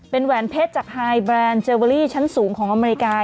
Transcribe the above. เป็นแหวนเพชรจากไฮแบรนด์เจเวอรี่ชั้นสูงของอเมริกา